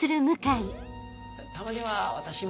たまには私も。